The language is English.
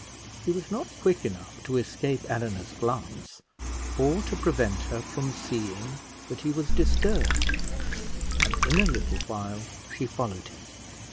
He was not quick enough to escape Eleanor's glance, or to prevent her from seeing that he was disturbed; and in a little while she followed him.